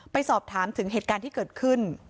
ไปสอบถามถึงเหตุการณ์ที่เกิดขึ้น